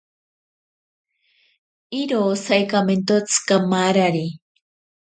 Iro saikamentotsi kamarari.